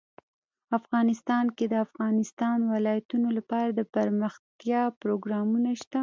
افغانستان کې د د افغانستان ولايتونه لپاره دپرمختیا پروګرامونه شته.